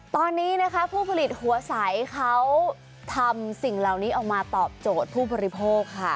ตอนนี้นะคะผู้ผลิตหัวใสเขาทำสิ่งเหล่านี้ออกมาตอบโจทย์ผู้บริโภคค่ะ